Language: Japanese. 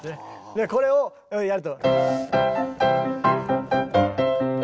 でこれをやると。